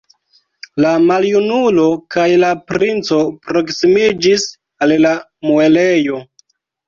La maljunulo kaj la princo proksimiĝis al la muelejo.